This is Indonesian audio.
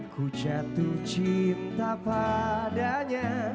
ku jatuh cinta padanya